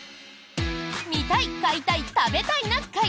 「見たい買いたい食べたいな会」。